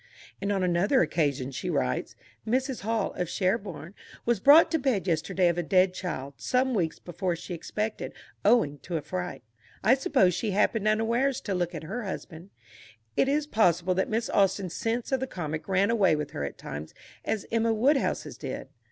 And on another occasion she writes: "Mrs. Hall, of Sherborne, was brought to bed yesterday of a dead child, some weeks before she expected, owing to a fright. I suppose she happened unawares to look at her husband." It is possible that Miss Austen's sense of the comic ran away with her at times as Emma Woodhouse's did.